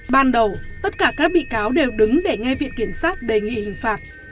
ban đầu tất cả các bị cáo đều đứng để ngay viện kiểm sát đề nghị hình phạt